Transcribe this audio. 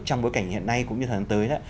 trong bối cảnh hiện nay cũng như tháng tới